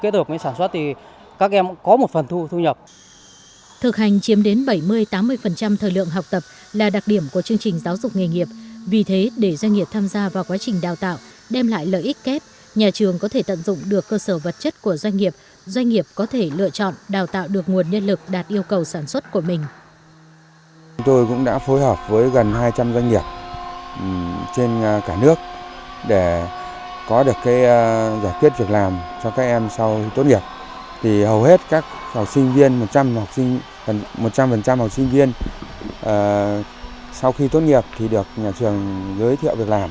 thực hành chiếm đến bảy mươi tám mươi thời lượng học tập là đặc điểm của chương trình giáo dục nghề nghiệp vì thế để doanh nghiệp tham gia vào quá trình đào tạo đem lại lợi ích kép nhà trường có thể tận dụng được cơ sở vật chất của doanh nghiệp doanh nghiệp có thể lựa chọn đào tạo được nguồn nhân lực đạt yêu cầu sản xuất của mình